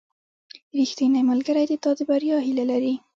• ریښتینی ملګری د تا د بریا هیله لري.